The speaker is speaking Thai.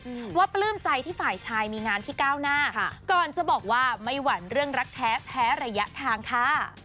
อืมว่าปลื้มใจที่ฝ่ายชายมีงานที่ก้าวหน้าค่ะก่อนจะบอกว่าไม่หวั่นเรื่องรักแท้แพ้ระยะทางค่ะ